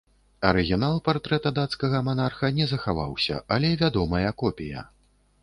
Арыгінал партрэта дацкага манарха не захаваўся, але вядомая копія.